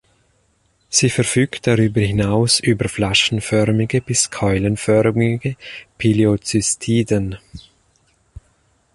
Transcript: Sie verfügt darüber hinaus über flaschenförmige bis keulenförmige Pileozystiden.